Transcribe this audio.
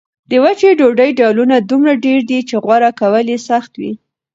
د وچې ډوډۍ ډولونه دومره ډېر دي چې غوره کول یې سخت وي.